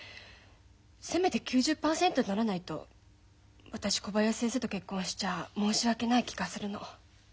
せめて９０％にならないと私小林先生と結婚しちゃ申し訳ない気がするの。